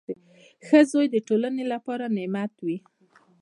• ښه زوی د ټولنې لپاره نعمت وي.